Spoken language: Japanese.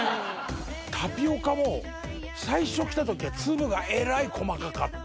タピオカも最初きたときは粒がえらい細かかった。